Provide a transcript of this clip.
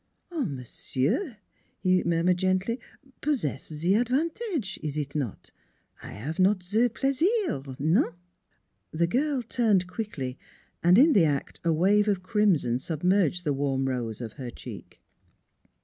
" Monsieur," he murmured gently, possess ze avantage is it not? I have not ze plaisir nonf" The girl turned quickly, and in the act a wave of crimson submerged the warm rose of her cheek.